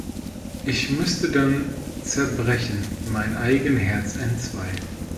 Ich müßte dann zerbrechen Mein eigen Herz entzwei.